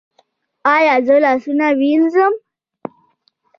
ایا زه لاسونه ووینځم؟